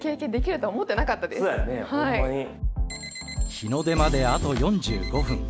日の出まであと４５分。